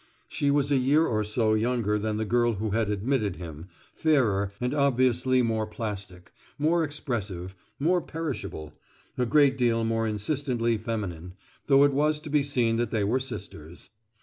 She was a year or so younger than the girl who had admitted him, fairer and obviously more plastic, more expressive, more perishable, a great deal more insistently feminine; though it was to be seen that they were sisters.